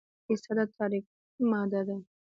د کائنات شل فیصده تاریک ماده ده.